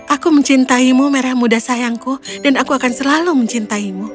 aku mencintaimu merah muda sayangku dan aku akan selalu mencintaimu